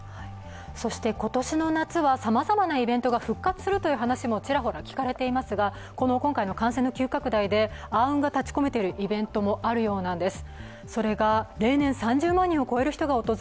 今年の夏はさまざまなイベントが復活するという話もちらほら聞かれていますが今回の感染の急拡大で暗雲が立ち込めているイベントもあるようです。